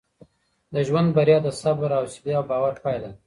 د ژوند بریا د صبر، حوصله او باور پایله ده.